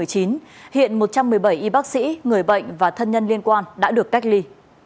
hiện một trăm một mươi bảy y bác sĩ người bệnh và thân nhân liên quan đã được cách ly